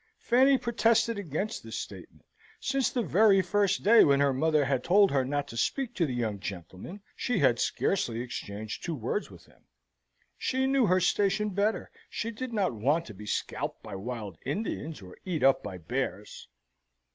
Fanny protested against this statement. Since the very first day when her mother had told her not to speak to the young gentleman, she had scarcely exchanged two words with him. She knew her station better. She did not want to be scalped by wild Indians, or eat up by bears.